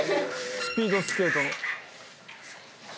スピードスケートの。